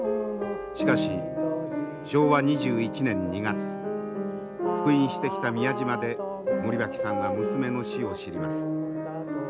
しかし昭和２１年２月復員してきた宮島で森脇さんは娘の死を知ります。